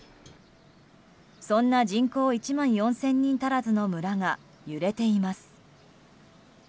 そんな人口１万４０００人足らずの村が揺れています。